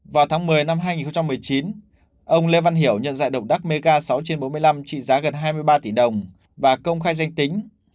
vào tháng một mươi năm hai nghìn một mươi chín ông lê văn hiểu nhận dạng đồng đắc mega sáu trên bốn mươi năm trị giá gần hai mươi ba tỷ đồng và công khai danh tính